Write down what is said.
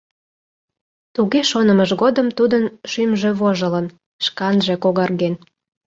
Туге шонымыж годым тудын шӱмжӧ вожылын, шканже когарген...